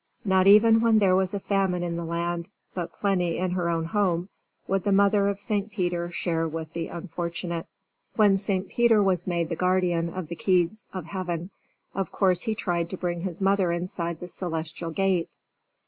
Not even when there was famine in the land, but plenty in her own home, would the mother of St. Peter share with the unfortunate. When St. Peter was made the guardian of the keys of Heaven, of course he tried to bring his mother inside the celestial gate.